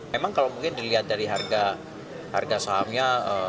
memang kalau mungkin dilihat dari harga sahamnya